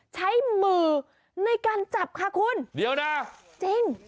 ใช้มือในการจับค่ะคุณ